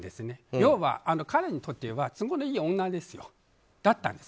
要は、彼にとっては都合のいい女だったんです。